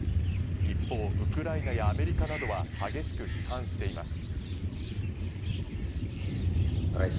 一方、ウクライナやアメリカなどは激しく批判しています。